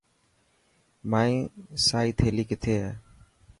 مائي سائي ٿيلي ڪٿي هي؟